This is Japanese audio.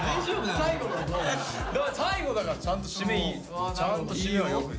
最後だからちゃんと締めをちゃんと締めは。